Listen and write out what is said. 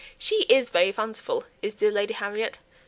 She is very fanciful, is dear Lady Harriet!